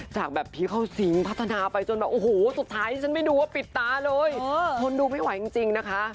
สุดที่สุดท้ายที่ฉันไม่ดูปิดตาเลยธนดูไม่ไหวจริงนะคะ